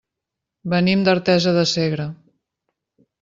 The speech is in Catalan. Venim d'Artesa de Segre.